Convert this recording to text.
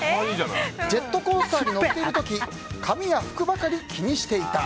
ジェットコースターに乗っている時、髪や服ばかり気にしていた。